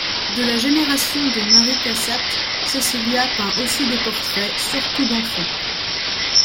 De la génération de Mary Cassatt, Cecilia peint aussi des portraits, surtout d'enfants.